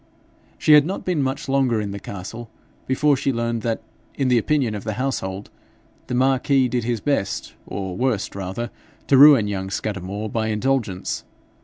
She had not been much longer in the castle before she learned that, in the opinion of the household, the marquis did his best, or worst rather, to ruin young Scudamore by indulgence.